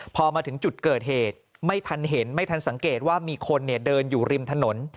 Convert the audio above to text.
พอมาถึงจุดเกิดเหตุไม่ทันเห็นไม่ทันสังเกตว่ามีคนเดินอยู่ริมถนน